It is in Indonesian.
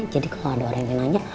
jadi kalau ada orang yang nanya